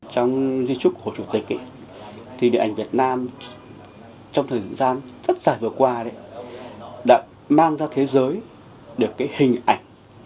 trong di trúc của chủ tịch thì điện ảnh việt nam trong thời gian rất dài vừa qua đã mang ra thế giới được cái hình ảnh